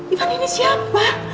ivan ini siapa